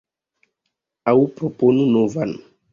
Aŭ proponu novan.